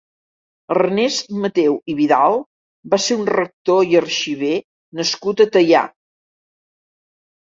Ernest Mateu i Vidal va ser un rector i arxiver nascut a Teià.